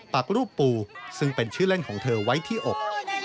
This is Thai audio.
ปากรูปปูซึ่งเป็นชื่อเล่นของเธอไว้ที่อก